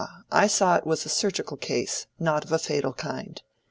I saw it was a surgical case, not of a fatal kind."